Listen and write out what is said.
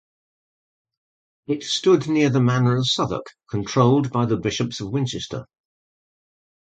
It stood near the Manor of Southwark, controlled by the Bishops of Winchester.